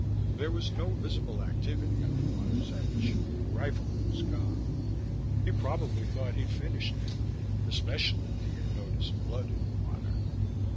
There was no visible activity at the water's edge; the rifleman was gone. He probably thought he'd finished me, especially if he had noticed blood in the water.